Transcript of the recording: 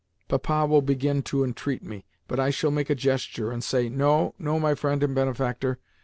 Papa will begin to entreat me, but I shall make a gesture, and say, 'No, no, my friend and benefactor!